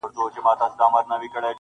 • داسي ژوند کي لازمي بولمه مینه,